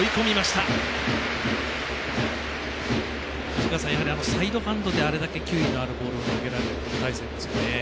藤川さん、やはりサイドハンドで、あれだけ球威のあるボールを投げられる大勢ですよね。